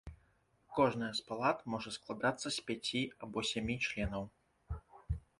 Кожная з палат можа складацца з пяці або сямі членаў.